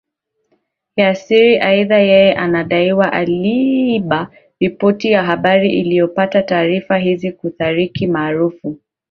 ya siri Aidha yeye inadaiwa aliiba ripoti na habari aliyoyapata Taarifa hizi kuathirika maarufu